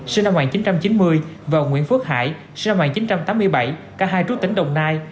sinh năm một nghìn chín trăm chín mươi và nguyễn phước hải sinh năm một nghìn chín trăm tám mươi bảy cả hai trú tỉnh đồng nai